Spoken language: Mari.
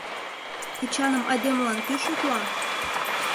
Эчаным айдемылан кӧ шотла.